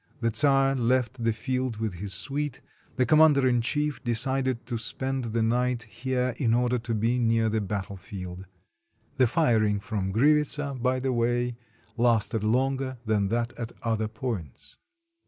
The czar left the field with his suite, the com mander in chief decided to spend the night here in order to be near the battle field. The firing from Grivitsa, by the way, lasted longer than that at other points.